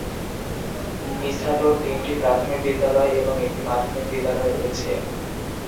মিসাটোর তিনটি প্রাথমিক বিদ্যালয় এবং একটি মাধ্যমিক বিদ্যালয় রয়েছে।